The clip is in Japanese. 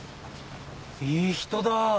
いい人だ。